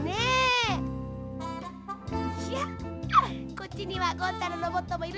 こっちにはゴン太のロボットもいるし。